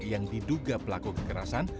yang diduga pelaku kekerasan